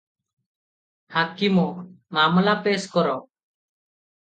ହାକିମ - ମାମଲା ପେଶ୍ କର ।